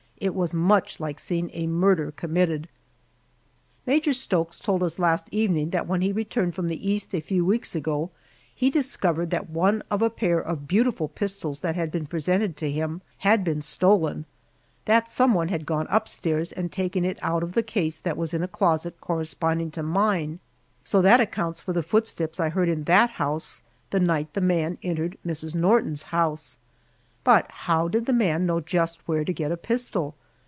It was much like seeing a murder committed. Major Stokes told us last evening that when he returned from the East a few weeks ago, he discovered that one of a pair of beautiful pistols that had been presented to him had been stolen, that some one had gone upstairs and taken it out of the case that was in a closet corresponding to mine, so that accounts for the footsteps I heard in that house the night the man entered Mrs. Norton's house. But how did the man know just where to get a pistol?